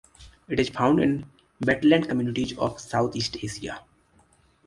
It is found in wetland communities of Southeast Asia.